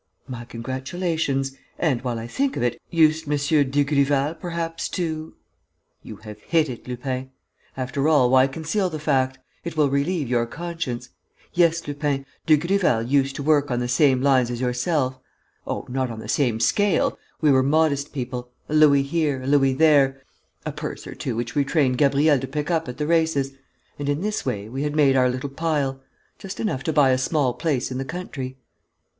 "My congratulations. And, while I think of it, used M. Dugrival perhaps to ...?" "You have hit it, Lupin. After all, why conceal the fact? It will relieve your conscience. Yes, Lupin, Dugrival used to work on the same lines as yourself. Oh, not on the same scale!... We were modest people: a louis here, a louis there ... a purse or two which we trained Gabriel to pick up at the races.... And, in this way, we had made our little pile ... just enough to buy a small place in the country."